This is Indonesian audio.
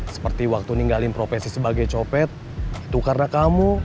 seperti waktu ninggalin profesi sebagai copet itu karena kamu